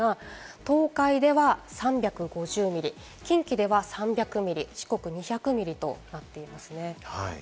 東海では３５０ミリ、近畿では３００ミリ、四国２００ミリとなっています。